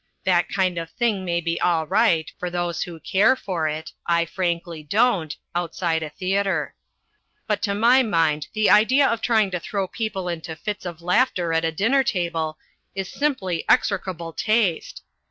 That kind of thing may be all right, for those who care for it I frankly don't outside a theatre. But to my mind the idea of trying to throw people into fits of laughter at a dinner table is simply execrable taste.